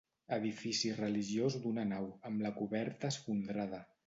Edifici religiós d'una nau, amb la coberta esfondrada.